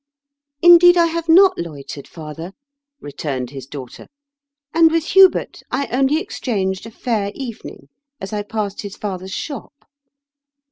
"Indeed I have not loitered, father," re turned his daughter. "And with Hubert I only exchanged a ' fair evening ' as I passed his father's shop."